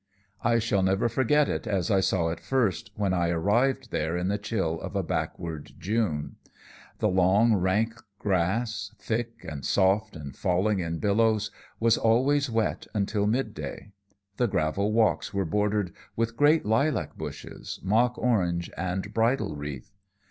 "I shall never forget it as I saw it first, when I arrived there in the chill of a backward June. The long, rank grass, thick and soft and falling in billows, was always wet until midday. The gravel walks were bordered with great lilac bushes, mock orange, and bridal wreath.